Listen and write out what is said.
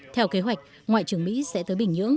theo kế hoạch ngoại trưởng mỹ sẽ tới bình nhưỡng